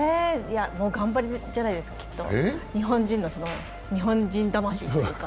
頑張りじゃないですか、日本人の日本人魂というか。